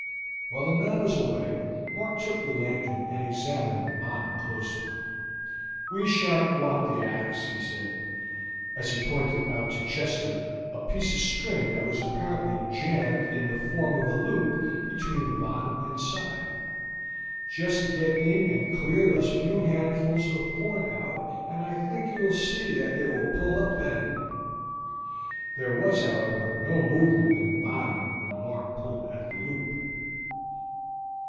While the man was away Mark took the lantern and examined the bottom closely. "We shan't want the ax," he said, as he pointed out to Chester a piece of string that was apparently jammed in the form of a loop between the bottom and side. "Just get in and clear those few handfuls of corn out. I think you will see that it will pull up then." There was, however, no movement in the bottom when Mark pulled at the loop.